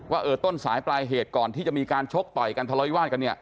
ว่าเออต้นสายปลายเหตุก่อนที่จะมีการชกต่อยกันทะเลาวิวาสกันเนี่ย